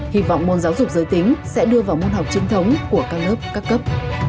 hy vọng môn giáo dục giới tính sẽ đưa vào môn học chính thống của các lớp các cấp